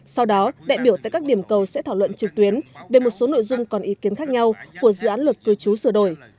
sau đó đại biểu tại các điểm cầu sẽ thảo luận trực tuyến về một số nội dung còn ý kiến khác nhau của dự án luật cư trú sửa đổi